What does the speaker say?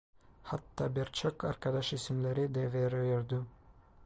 Hatta birçok arkadaş isimleri de veriyordu.